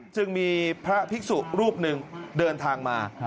จึงมีพระภิกษุรูปหนึ่งเดินทางมา